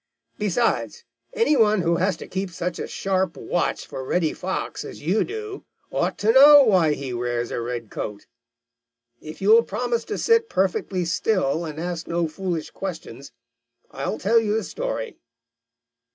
Besides, any one who has to keep such a sharp watch for Reddy Fox as you do ought to know why he wears a red coat. If you'll promise to sit perfectly still and ask no foolish questions, I'll tell you the story."